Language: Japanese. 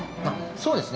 そうですね。